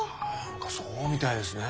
そうみたいですね。